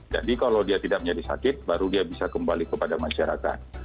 jadi kalau dia tidak menjadi sakit baru dia bisa kembali kepada masyarakat